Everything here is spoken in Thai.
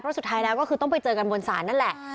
เพราะสุดท้ายแล้วก็คือต้องไปเจอกันบนศาลนั่นแหละ